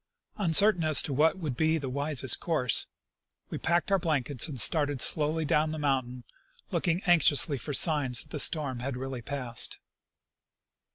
Uncer tain as to what would be the wisest course, we packed our blankets and started slowly down the mountain, looking anx iously for signs that the storm had really passed.